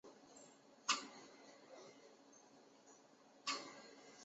就操作空间有限的航舰人员来讲亦乐见环境简化操作机种的概念。